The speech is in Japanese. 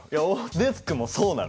デスクもそうなの。